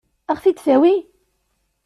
Ad ɣ-t-id-tawi?